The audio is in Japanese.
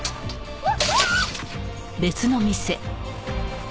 あっ。